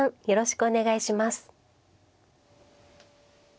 よろしくお願いします。